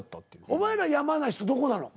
お前ら山梨とどこなの？